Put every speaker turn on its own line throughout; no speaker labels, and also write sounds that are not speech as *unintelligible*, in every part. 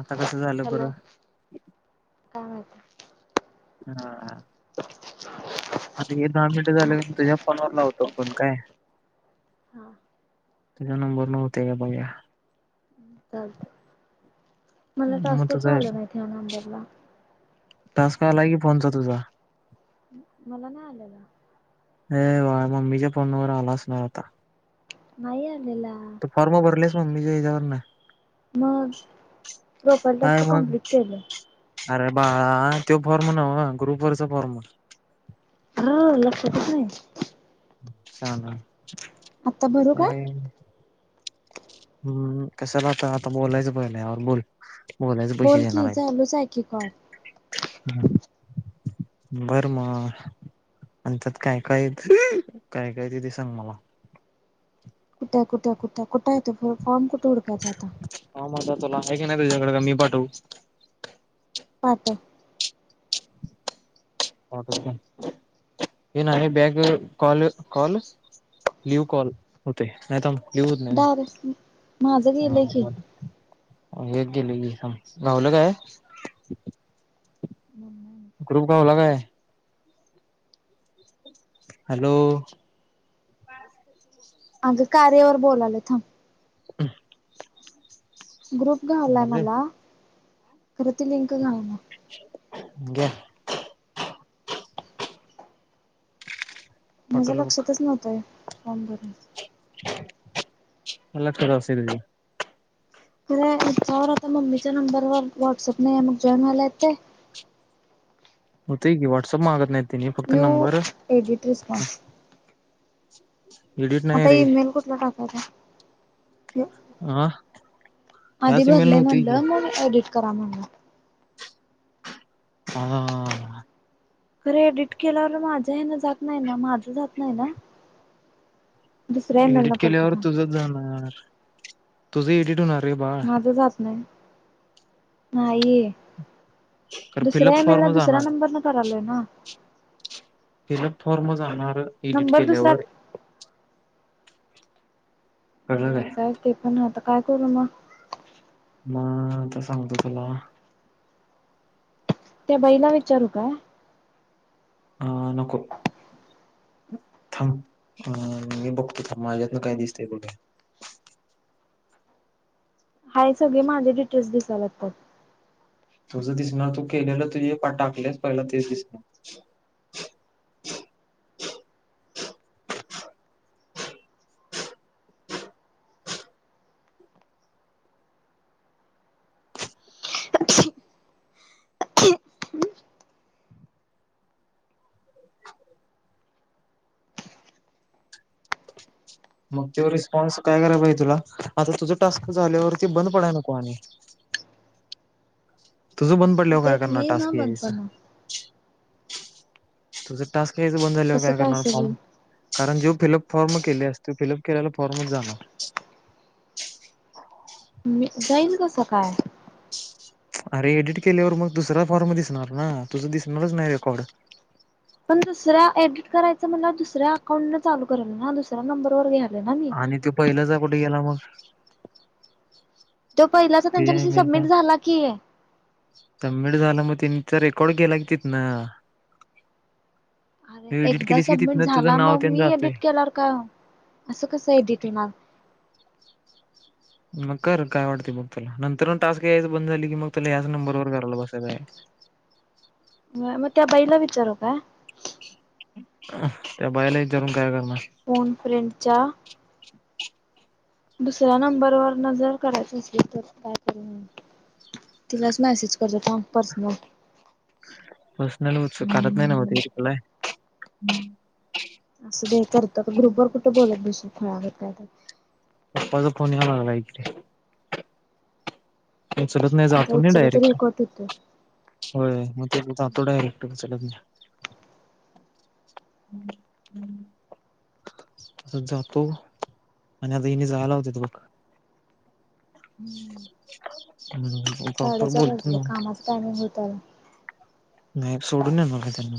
आता कसं झालं
हॅलो
बरं?
काय माहित.
हा. आणि हे दहा मिनट
हा
झाले, की तुझ्या फोनवर लावतो आपण काय?
हा
तुझ्या नंबर न होतय का बघुया?
चालतंय. मला
मग
टास्क का
तुझा
आलं नाहीत या नंबरला?
टास्क आलाय की फोनचा तुझा.
मला नाही आलेला
हे वा म्मीच्या फोनवर आलाच नव्हता
नाही आलेला
तू फॉर्म भरलेस मम्मी च्या हिच्यावर न
मग प्रोफाईल
काय
टास्क
मग
कमप्लीट केलं
अरे बाळा तो फॉर्म नव्ह ग्रुप वरचा फॉर्म
हा लक्षातच नाही
शहान
आता भरू का
हम्म कशाला आता बोलायचं पहिलं बोल बोलायचं पैसे
बोल की
देणार
चालूच आहे की कॉल
बरं मग आणि त्यात काय काय काय काय ते ते सांग मला
कुठय कुठय कुठ कुठय येतो फॉम कु तोडप्या जाता
हा माझा तुला *unintelligible* नाही तुझ्याकडे का मी पाठव
पाटव
हे ना back call call leave call होते नाही थांब. लिव्ह होत नाही
दाब माझं गेलं की.
थांब हे एक गेले की थांब गावलं काय. ग्रुप गावला काय हॅलो
अग कार्य वर बोलालोय थांब.
*unintelligible*
ग्रुप घा आलाय
झाले
मला खरं त लिंक गाव ना.
घ्या
माझ्या
हॉटेल बुक
लक्षातच नव्हत हे फॉर्म भरायचा
*unintelligible*
रे याच्यावर आता मम्मीच्या नंबरवर व्हॉट्सअप नाही मग जॉईन व्हायला येतंय.
होतंय की व्हाट्सअप मागत नाहीत
यू एडिट रिस्पॉन्स.
*inaudible* एडिट नाही
आता
रे
इईमेल कुठला टाकायचा.
हा
आधी
ह्याच ईमेल
भरलय
नव्हती की
म्हटलं म एडिट करा म्हणलं.
हा
खरे एडिट केल्यावर माझ्या हे न जात नाही ना माझं जात नाही ना. दुसऱ्या
एडिट
ईमेलनं करतो
केल्यावर
थांब
तुझंच जाणार. तुझ एडिट होणार. रे बाळ
माझं जात नाही. नाही
कारण फिलअप
दुसऱ्या
फॉर्म
ई-मेलन दुसऱ्या
जाणार
नंबर न करालोय ना.
फिलअप फॉर्म जाणार. तर एडिट
नंबर दुसरा
केल्यावर ए
व्हय काय ते पण आता काय करू मग.
अ मग सांगतो तुला.
त्या बाईना विचारू काय
अ नको थांब अ मी बघतो थांब माझ्यातन काय दिसतय कु
हाय हे सगळे माझे डिटेल्स दिसायला लागतात.
तुझं दिसणार तू केलेलं तुजे पन टाकलेस पहिला तेच दिसणार. मग तेव्हा रिस्पॉन्स काय करायला पाहिजे तुला आता तुझं टास्क झाल्यावरती बंद पडाय नको आणि तुझ बंद
मग
पडल्यावर काय
तेच
करणार
नाही ना
टास्क
बंद
यायचं
पडणार.
तुझं टास्क तेज बंद झाल्या
कसं
काय करणार
असं
फॉर्म
होईल
कारण जू फिलअप फॉर्म केले असते फिलअप केल्याला फॉर्मच जाणार *inaudible*
मी जाईल कसं काय
अरे एडिट केल्यावर मग दुसरा फॉर्म दिसणार ना तुझं दिसणारच नाही रेकॉर्ड *inaudible*
पण दुसऱ्या एडिट करायचं म्हणलं दुसऱ्या अकाउंट न चालू केल ना दुसरा नंबर
आणि तो पहिलं जा कुठे गेला मग. *inaudible*
तो पहिलाच त्यांच्या
तुझ्या
पाशी
ईमेलचा
सबमिट झाला की
त्यांनचा रेकॉर्ड केेला के त ना *inaudible*
अरे एकदा सबमिट झाला
नाव
मग
तेन
मी
जातंय.
एडिट केला का असं कसं एडिट होणार.
मग कर काय वाटते मग त्याला नंतर टास्क यायचं बंद झाली की मग त्याला ह्याच नंबरवर करायला बसायचं आहे. *inaudible*
म म त्या बाईला विचारू का.
*inaudible* ह त्या बायलाही जाऊून काय ग
फोन प्रिंटच्या दुसऱ्या नंबरवरर न जर करायचं असेल तर काय करू *inaudible* तिलाच मेसेज करते थांब पर्सनल *inaudible*
*unintelligible*
असं दे करतो ग्रुपवर कुठं बोलत बसू काय खुळ्यागत माहीत
पप्पाचा फोन यायला लागला कडेे उचलत नाही
आता
जातो मी
उचलला तरी कट
डायरेक्ट होय मग त्या जातो डायरेक्ट उचलत नाही. *inaudible* अस जातो आणि आताने जायला होत त बघ *inaudible*
होतोय
‌ *inaudible* हम्म उपर उपर
साडेचार
बोलते
वाजले
मग
कामाच टायमिंग होत आला.
नाही सोडून नणार त्यांना म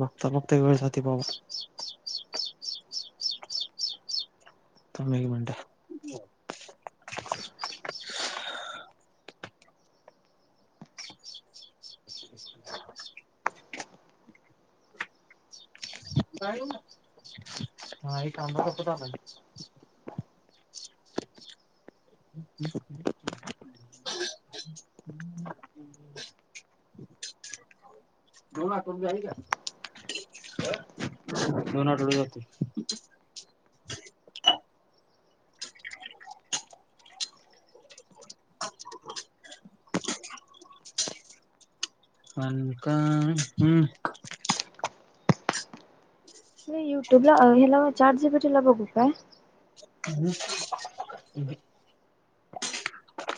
बघता बघता वेळ जातो कसा तम क म्हनट *inaudible* *inaudible* हा एक काां सपत आला दोन आठवड का दोन आठवड जातो *inaudible* अन का हं्
अे युट्यूब ला ह्याला म चार जी बटला बघू काय
*inaudible*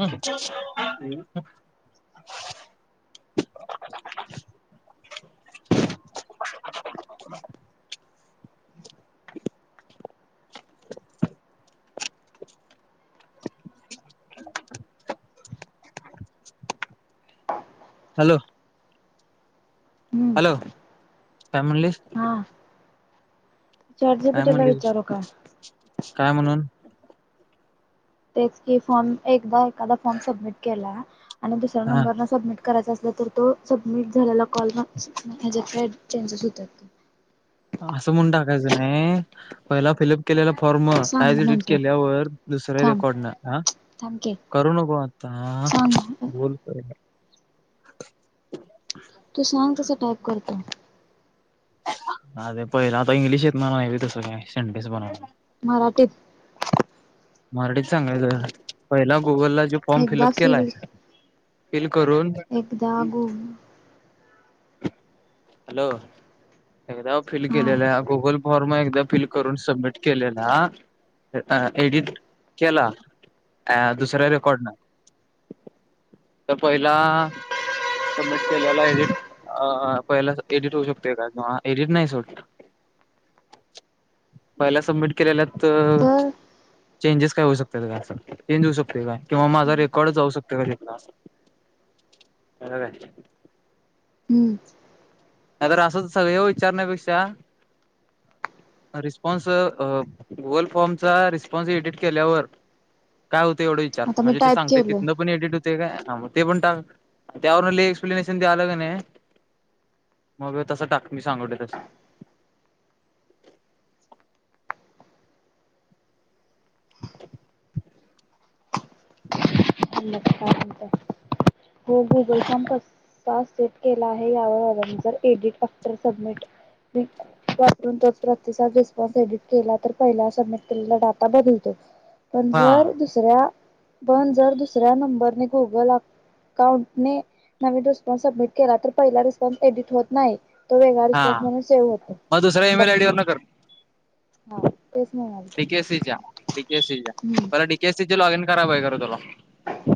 हम् *inaudible* हॅलो
हम्म
हॅलो *inaudible* काय म्हणलीस
हा चॅट
काय
जीपीटीला
म्हणली
विचारू का
काय म्हणून
तेच कि फॉर्म एकदा एखादा फॉर्म सबमिट केलाय आणि दुसऱ्या
हा
नंबरं सबमिट करायच अस तर तो सबमिट झालेला कॉल चेजस होतात
असं म्हणून टाकायचं नाही पहिला फिलप केलेल. फॉर्म आज
सांग
एडिट
म्हणतो
केल्यावर दुसऱ्या
थांब
रेकॉर्ड न ह
थांब की
करू नको आता
सांग
बोल! *inaudible*
तू सांग तस टायप - करतो.
अे पहिले आता इंग्लिश येत म्हणा तसं काय संडेस बनवायला.
मराठीत!
मराठीच सांगाय पहिला. गुगलला जे फॉर्म
एकदा
फिलअप केलाय.
फील
फिलिप
एकदा गोम.
हॅलो एकदा फिल
हा
केलेलं गुगल. फॉर्म एकदा फिल करून सबमिट केलेला एडिट! केला अ दुसरा रेकॉर्ड न तर पहिला सबमिट केलेला एडिट अ पहिला एडिट होऊ शकते का कं एडिट नाही सोड पहिला सबमिट केलेल्यात.
तर
चेंजेस काय होऊ शकत का अस चेंज होऊ शकते का किंवा माझा रेकॉर्ड जाऊ शकत का तिथला अस.
हम्म
अरे असच सगळे विचारण्यापेक्षा रिस्पॉन्स गुगल फॉर्मचा रिस्पॉन्स एडिट केल्यावर काय होत. तेवढ विचार
आता मी
म्हणजे ते
टाईप
सांग ते
केलोय
एडिट हो! ते काय मग ते पण टाक त्यावरून लई एक्सप्लेनेशन ते आलं का नाही. मग तसा टाक मी सांगितलोय तस!
*unintelligible* हो गुगल फम कसा सेट केला आहे यावर जर एडिटर सबमिट वापरून तोच प्रतिसाद रिस्पॉन्स एडिट केला तर पहिला सबमिट केलेला डाटा बदलतो. पण
हा
जर दुसऱ्या - पण जर दुसऱ्या नंबरने गुगल आप - अकाउंटने नवीन रिस्पॉन्स सबमिट केला तर पहिला रिस्पॉन्स एडिट होत नाही. तो वेगळा रिस्पॉन्स
हां
म्हणून सेव्ह होतो.
मग दुसऱ्या
बघ
इमेल आयडी वर न कर
हा तेच म्हणालतो.
डीकेसीच्या डीकेसीच्या
हम्म
डीके! लॉग इन करायला पाहिज खर तुला!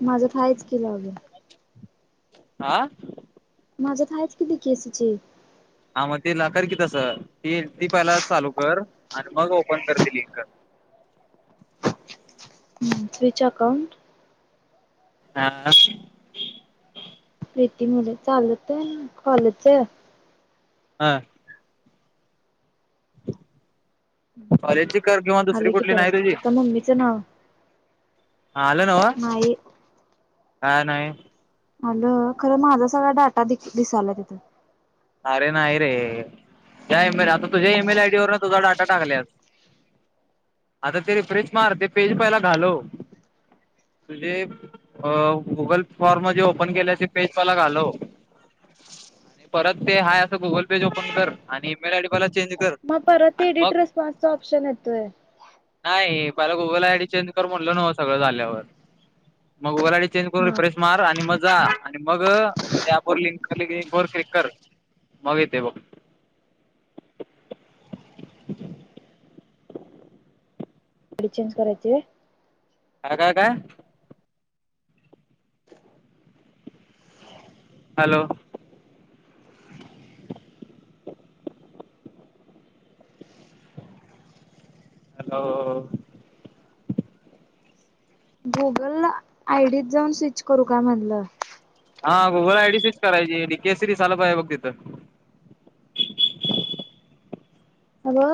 माझ्यात आहेच की लॉगीन -
आ
माझ्यात आहेच कि डी के एसी चे -
हां मग त्याला कर की तसं! ती ती पहिला चालू कर. आणि मग ओपन करतील लिंक -
स्विच अकाऊंट -
हां *unintelligible*
रीती मुले चालत आहे ना कॉलेजच -
हां कॉलेजची कर किंवा दुसरी
आलं की
कुठली
परत
नाही तुझी?
आता मम्मीचं नाव
हा हॅलो नाव
नाही
काय नाही
अल खरं माझा सगळा डाटा दिसाला तिथं
अरे नाही रे त्या इमेल आता तुझ्या इईमेल आयडी वर तुझा डाटा टाकल्यास आता ते रिफ्रेश मार ते पेज पहिला घालो तुझे गुगल फॉर्म म ओपन केले ते पेज पला घालव परत ते आहेय असं गुगल पे ओपन कर आणि ईमेल आयडी मला चेंज कर
मग परत
आणि मग
एडिट रेस्पॉन्सचा ऑप्शन येतोय
नाही मला गुगल आय डी चेंज कर म्हटलं नव सगळं झाल्यावर मग गुगल आय चेंज करून
हा
रिप्रेस
आयडी
मार आणि मग जा आणि मग त्यापर लिंकंक वर क्लिक कर मग येते बघ
अडी चेंज कररायते
काय काय काय हॅलो ह
गुगल आयडीत जाऊन स्विच करू का म्हधलं
हा गुगल आय डी सीच करायची डी केस सी डी चाल पाहि आहे बघ तिथं
ह म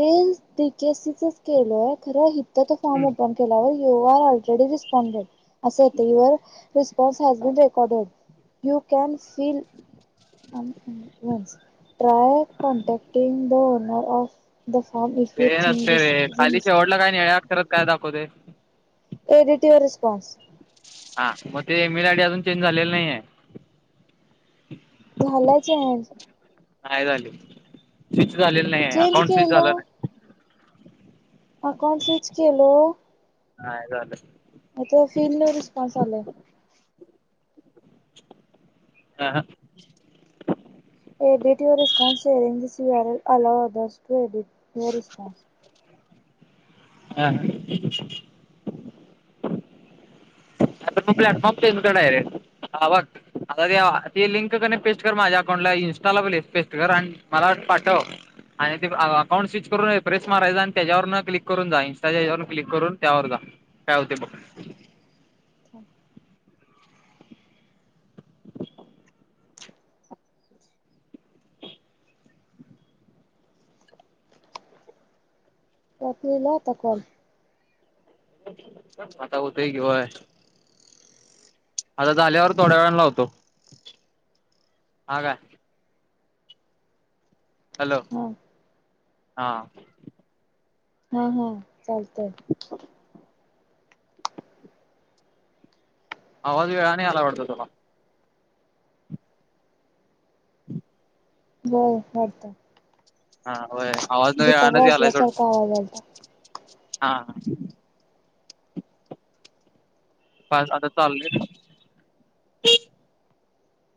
तेसीचच केलय खरं
हम्म
फॉर्म पन केलावर यू आर ऑलरेडी रिस्पॉनडेड असं येतवर response has been recorded you can fill ् try contacting the owner of
तेन असत रे खालीचे डला काय हेाकतर काय दाखवते
एडिटिव्ह रिस्पॉन्स
हा मग ते एमेल आयडी अजून चेंज झालेले नाही आहे
झालाच आहे
हायली झालेलं नाही
चेंज
अकाउंट
केलो
झालं नाही
अकाउंट स्विच केलो
हाय आले
आता फील न रिस्पॉन्स आलाय
हा ह
एडिट यर रिस्पसअरंग अला अ टडिट यर रिस्पस
हा मग प्लॅटफॉर्म पे डायरेक्ट बघ आता ते ते लिंक क पेस्ट कर माझ्या अकाउंटला इन्स्टाला पेस्ट कर आणि मला पाठव आणि ते अकाउंट स्विच करून प्रेस मारायचा आणि त्याच्यावरून क्लिक करून जा इं्स्टावरून क्लिक करून त्यावर जा काय होते बघ
रातलीला तकण
आता होत किय आता झाल्यावर थोड्या वेळान लावतो हा काय हॅलो
हां
हा
हा हा चालत
हवाज वेळा नाही आयला पडत तु्हाला
ब वाटत
हा होय आवाज
गिटार
वेळानच यालाय सोड
वाजल्यासारखा आवाज आलता
हा पानी आता चाललंय